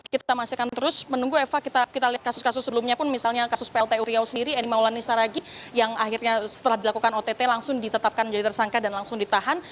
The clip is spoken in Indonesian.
kita lihat kasus kasus sebelumnya pun misalnya kasus plt uriau sendiri eni maulani saragi yang akhirnya setelah dilakukan ott langsung ditetapkan jadi tersangka dan langsung ditahan